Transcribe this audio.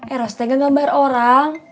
eros teh gak gambar orang